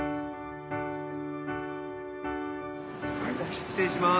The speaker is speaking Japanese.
失礼します。